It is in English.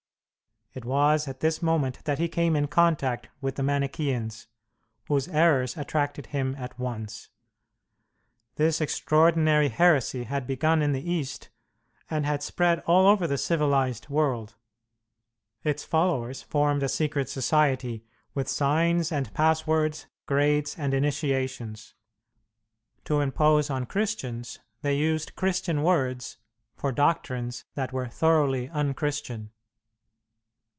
It was at this moment that he came in contact with the Manicheans, whose errors attracted him at once. This extraordinary heresy had begun in the East, and had spread all over the civilized world. Its followers formed a secret society, with signs and passwords, grades and initiations. To impose on Christians they used Christian words for doctrines that were thoroughly unchristian.